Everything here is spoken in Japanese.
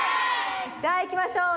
じゃあいきましょう。